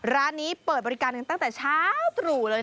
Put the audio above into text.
ร้านนี้เปิดบริการกันตั้งแต่เช้าตรู่เลย